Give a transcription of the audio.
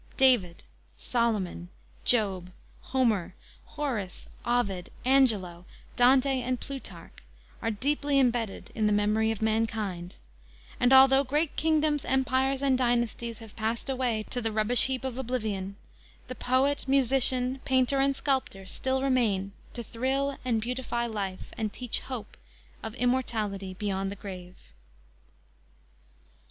David, Solomon, Job, Homer, Horace, Ovid, Angelo, Dante and Plutarch are deeply imbedded in the memory of mankind, and although great kingdoms, empires and dynasties, have passed away to the rubbish heap of oblivion, the poet, musician, painter, and sculptor still remain to thrill and beautify life, and teach hope of immortality beyond the grave.